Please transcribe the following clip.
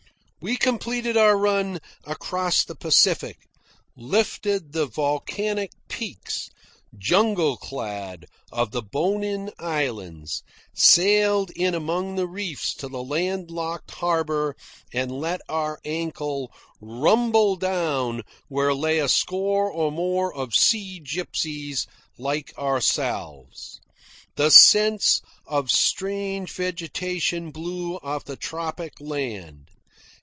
We completed our run across the Pacific, lifted the volcanic peaks, jungle clad, of the Bonin Islands, sailed in among the reefs to the land locked harbour, and let our anchor rumble down where lay a score or more of sea gypsies like ourselves. The scents of strange vegetation blew off the tropic land.